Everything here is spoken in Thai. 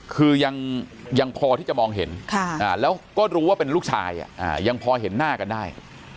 คือยังพอที่จะมองเห็นแล้วก็รู้ว่าเป็นลูกชายยังพอเห็นหน้ากันได้